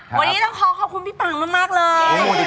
วันนี้ต้องขอขอบคุณพี่ปังมากเลย